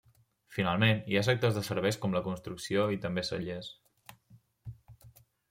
Finalment, hi ha sectors de serveis com la construcció i també cellers.